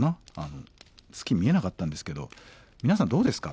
月見えなかったんですけど皆さんどうですか？